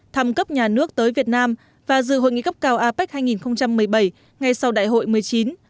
thăm cấp nhà nước tới việt nam và dự hội nghị cấp cao apec hai nghìn một mươi bảy ngay sau đại hội một mươi chín